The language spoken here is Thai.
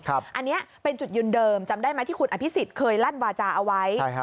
อันนี้เป็นจุดยืนเดิมจำได้ไหมที่คุณอภิษฎเคยลั่นวาจาเอาไว้